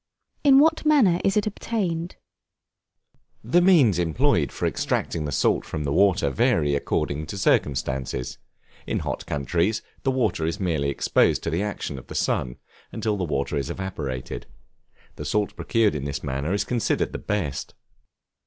In what manner is it obtained? The means employed for extracting the salt from the water vary according to circumstances. In hot countries, the water is merely exposed to the action of the sun, until the water is evaporated; the salt procured in this manner is considered the best.